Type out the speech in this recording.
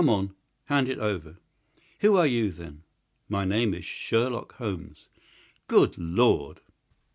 Come, hand it over!" "Who are you, then?" "My name is Sherlock Holmes." "Good Lord!"